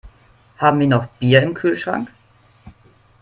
Haben wir noch Bier im Kühlschrank?